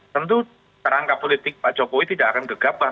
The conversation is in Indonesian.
tentu kerangka politik pak jokowi tidak akan gegabah